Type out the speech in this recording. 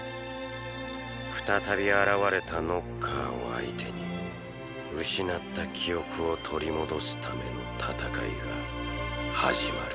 再び現れたノッカーを相手に失った記憶を取り戻すための戦いが始まる